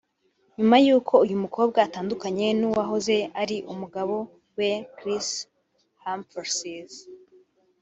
nyuma y’uko uyu mukobwa atandukanye n’uwahoze ari umugabo we Kris Humphries